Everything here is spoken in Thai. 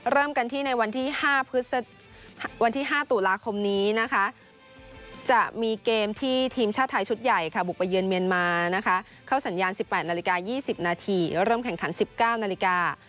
เริ่มกันที่ในวันที่๕วันที่๕ตุลาคมนี้นะคะจะมีเกมที่ทีมชาติไทยชุดใหญ่ค่ะบุกไปเยือนเมียนมานะคะเข้าสัญญาณ๑๘นาฬิกา๒๐นาทีเริ่มแข่งขัน๑๙นาฬิกา